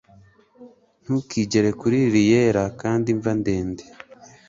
Ntukigere kuri lili yera kandi imva ndende